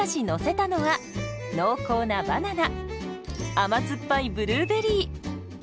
甘酸っぱいブルーベリー。